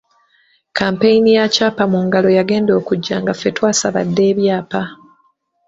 Kkampeyini ya ‘Kyapa mu Ngalo’ yagenda okujja nga ffe twasaba dda ebyapa.